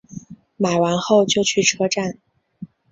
买完后就去车站